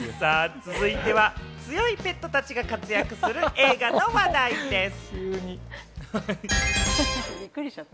続いては強いペットたちが活躍する映画の話題です。